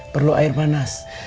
perlu air panas